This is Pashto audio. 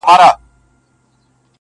په ځان غټ یمه غښتلی تر هر چا یم!!